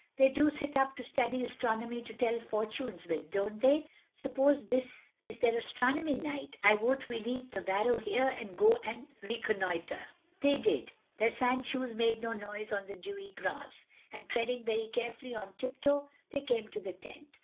They do sit up to study astronomy to tell fortunes with, don't they? Suppose this is their astronomy night? I vote we leave the barrow here and go and reconnoiter." They did. Their sandshoes made no noise on the dewy grass, and treading very carefully, on tiptoe, they came to the tent.